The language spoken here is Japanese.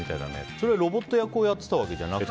それはロボット役をやっていたんじゃなくて？